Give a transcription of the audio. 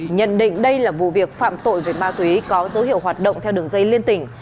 nhận định đây là vụ việc phạm tội về ma túy có dấu hiệu hoạt động theo đường dây liên tỉnh